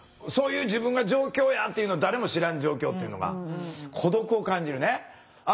そういう自分が状況やっていうの誰も知らん状況っていうのが孤独を感じるね。